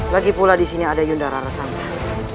lagipula disini ada yunda rara santang